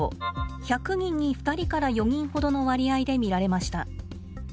１００人に２人から４人ほどの割合で見られました。